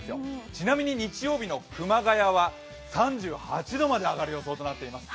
ちなみに日曜日の熊谷は３８度まで上がる予想となっています。